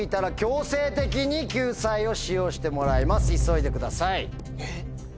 急いでください。